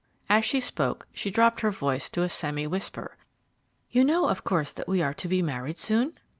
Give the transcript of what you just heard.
As she spoke she dropped her voice to a semi whisper. "You know, of course, that we are to be married soon?"